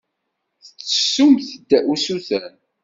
Tettessumt-d usuten.